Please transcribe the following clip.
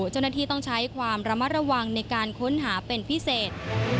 เจ้าหน้าที่ต้องใช้ความระมัดระวังในการค้นหาเป็นพิเศษ